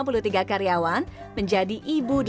tpp merupakan lokasi yang terkenal di serang banten